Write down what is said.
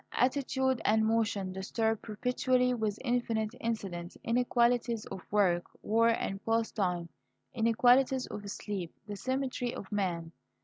Attitude and motion disturb perpetually, with infinite incidents inequalities of work, war, and pastime, inequalities of sleep the symmetry of man.